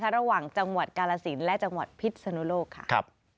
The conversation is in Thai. ระหว่างจังหวัดกาลสินและจังหวัดพิษนุโลกค่ะ